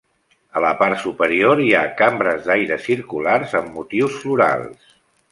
A la part superior hi ha cambres d'aire circulars amb motius florals.